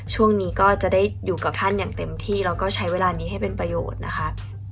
ช่วงนี้ก็จะได้อยู่กับท่านอย่างเต็มที่แล้วก็ใช้เวลานี้ให้เป็นประโยชน์นะคะ